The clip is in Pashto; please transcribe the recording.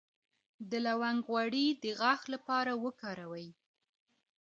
د لونګ غوړي د غاښ لپاره وکاروئ